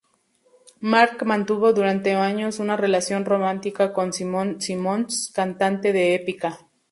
Mark mantuvo durante años una relación romántica con Simone Simons, cantante de Epica.